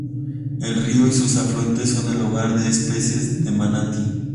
El río y sus afluentes son el hogar de especies de manatí.